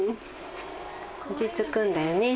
落ち着くんだよね。